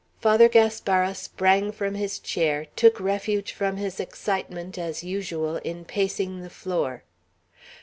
Father Gaspara sprang from his chair, took refuge from his excitement, as usual, in pacing the floor.